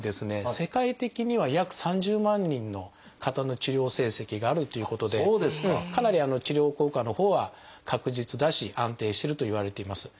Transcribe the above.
世界的には約３０万人の方の治療成績があるっていうことでかなり治療効果のほうは確実だし安定してるといわれています。